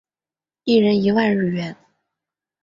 一人一万日元